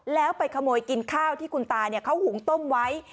แล้วไปขโมยกินข้าวที่คุณตาเขาหุงต้มไว้